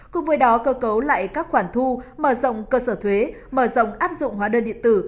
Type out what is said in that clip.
cùng với đó cơ cấu lại các khoản thu mở rộng cơ sở thuế mở rộng áp dụng hóa đơn điện tử